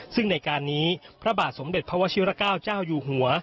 ซึ่งในการนี้พระบาทสมเด็จพระวชิรเก้าเจ้าอยู่หัว